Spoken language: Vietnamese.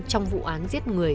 trong vụ án giết người